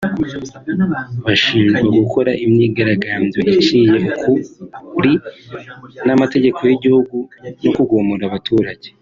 bashinjwa gukora imyigaragambyo iciye ukuri n’amategeko y’igihugu no kugumura abaturage